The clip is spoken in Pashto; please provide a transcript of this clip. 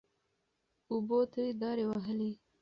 اوبو ترې دارې وهلې. .